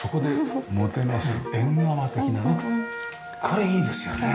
これいいですよね。